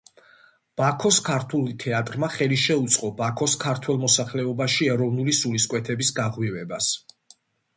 ბაქოს ქართული თეატრმა ხელი შეუწყო ბაქოს ქართველ მოსახლეობაში ეროვნული სულისკვეთების გაღვივებას.